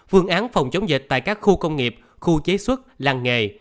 phương án phòng chống dịch tại các khu công nghiệp khu chế xuất làng nghề